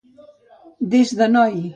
Des de noi.